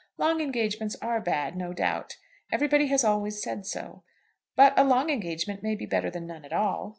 Long engagements are bad, no doubt. Everybody has always said so. But a long engagement may be better than none at all.